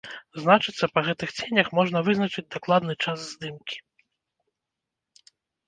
Значыцца, па гэтых ценях можна вызначыць дакладны час здымкі.